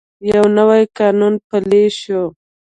یو نوی قانون پلی شو.